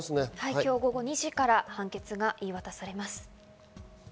今日午後２時から判決が言い渡されます。